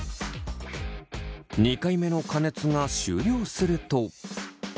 ２回目の加熱が終了すると。